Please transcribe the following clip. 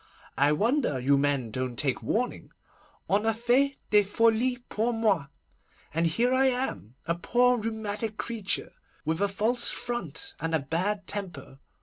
I wonder you men don't take warning. On a fait des folies pour moi, and here I am, a poor rheumatic creature, with a false front and a bad temper.